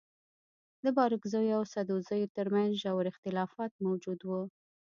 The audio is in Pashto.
د بارکزيو او سدوزيو تر منځ ژور اختلافات موجود وه.